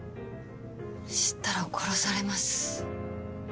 知ったら殺されます。